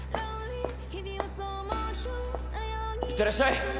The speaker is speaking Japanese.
いってらっしゃい。